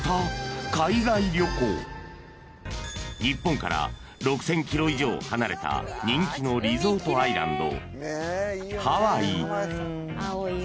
［日本から６，０００ｋｍ以上離れた人気のリゾートアイランド］